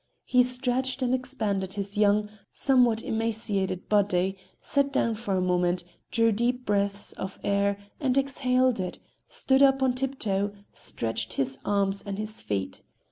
He stretched and expanded his young, somewhat emaciated body, sat down for a moment, drew deep breaths of air and exhaled it, stood up on tip toe, stretched his arms and his feet.